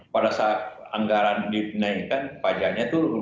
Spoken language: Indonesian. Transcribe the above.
pada saat anggaran dinaikkan pajaknya turun